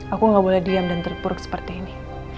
aku gak boleh diam dan terpuruk seperti ini